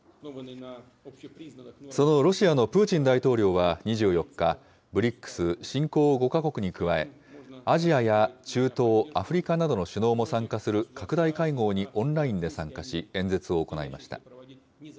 そのロシアのプーチン大統領は２４日、ＢＲＩＣＳ・新興５か国に加え、アジアや中東、アフリカなどの首脳も参加する拡大会合にオンラインで参加し、演説を行いました。